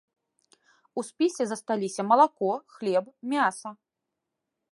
У спісе засталіся малако, хлеб, мяса.